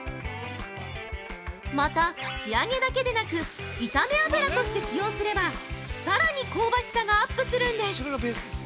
また、仕上げだけでなく炒め油として使用すれば、さらに香ばしさがアップするんです！